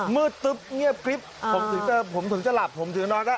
มืดตึ๊บเงียบกริ๊บผมถึงจะหลับผมถึงจะนอน